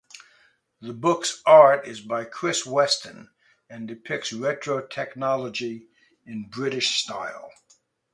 The book's art is by Chris Weston, and depicts retro technology in "British" style.